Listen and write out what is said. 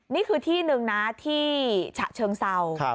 นี่คือที่หนึ่งนะที่ฉะเชิงเศร้า